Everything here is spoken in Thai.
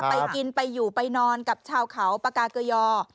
ไปกินไปอยู่ไปนอนกับชาวเขาปากาเกยอ